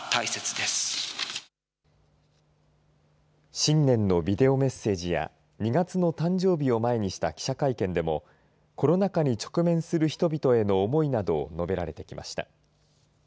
新年のビデオメッセージや２月の誕生日を前にした記者会見でもコロナ禍に直面する人々への思いなどを述べられてきました。